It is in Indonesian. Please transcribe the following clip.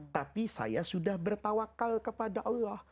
tapi saya sudah bertawakal kepada allah